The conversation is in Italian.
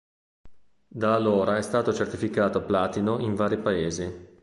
Da allora è stato certificato platino in vari paesi..